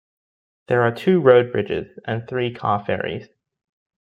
There are two road bridges and three car ferries.